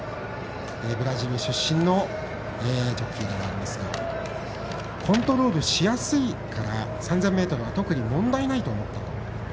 ブラジル出身のジョッキーなんですがコントロールしやすいから３０００ｍは特に問題ないと思っている。